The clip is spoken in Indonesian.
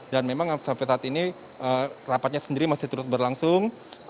dan memang sampai saat ini rapatnya sendiri masih terus berlangsung